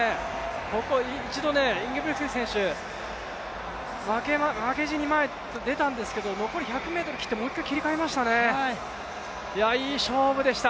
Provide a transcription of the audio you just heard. ここ、一度、インゲブリクセン選手、負けじと前にでたんですけど残り１００ｍ切ってもう一回切り替えましたね、いい勝負でした。